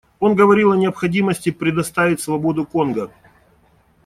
Он говорил о необходимости предоставить свободу Конго.